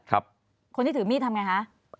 คนที่ถือมีดทำไงคะ